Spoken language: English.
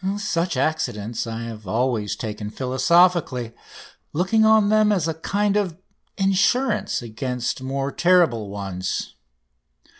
Such accidents I have always taken philosophically, looking on them as a kind of insurance against more terrible ones.